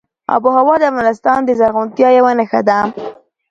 آب وهوا د افغانستان د زرغونتیا یوه نښه ده.